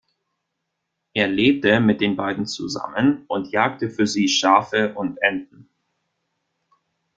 Er lebte mit den beiden zusammen und jagte für sie Schafe und Enten.